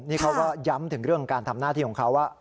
นี่เขาก็ย้ำถึงเรื่องการทำหน้าที่ของเขาว่า